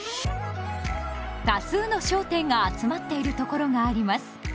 多数の商店が集まっているところがあります。